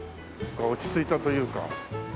落ち着いたというか。